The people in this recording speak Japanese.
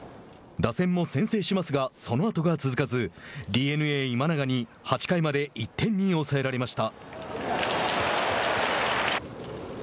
打線も先制しますがそのあとが続かずＤｅＮＡ、今永に８回まで１点に抑えられました。